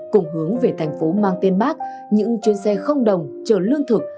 cùng hướng về thành phố mang tên bắc những chuyến xe không đồng chở lương thực